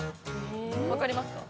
分かりますか？